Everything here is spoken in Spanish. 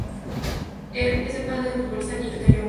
Él es el padre del futbolista Nigel de Jong.